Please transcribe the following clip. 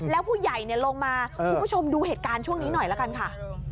แล้วผู้ใหญ่ลงมาคุณผู้ชมดูเหตุการณ์ช่วงนี้หน่อยละกันค่ะ